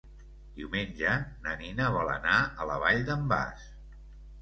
Diumenge na Nina vol anar a la Vall d'en Bas.